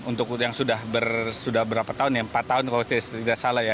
untuk yang sudah berapa tahun ya empat tahun kalau tidak salah ya